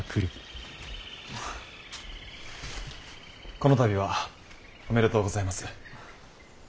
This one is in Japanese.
この度はおめでとうございます。